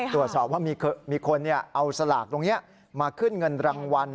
ตรวจสอบว่ามีคนเอาสลากตรงนี้มาขึ้นเงินรางวัล